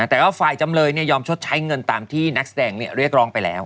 แต่ว่าฝ่ายจำเลยยอมชดใช้เงินตามที่นักแสดงเรียกร้องไปแล้ว